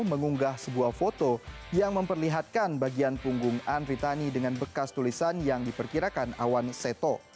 mengunggah sebuah foto yang memperlihatkan bagian punggung andritani dengan bekas tulisan yang diperkirakan awan seto